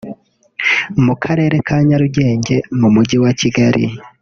mu Karere ka Nyarugenge mu Mujyi wa Kigali